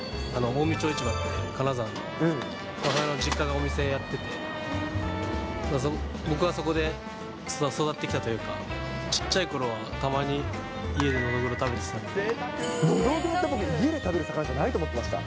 近江町市場って、金沢の、母親の実家がお店やってて、そこ、僕はそこで育ってきたというか、ちっちゃいころは、ノドグロって、僕、家で食べる魚じゃないと思ってました。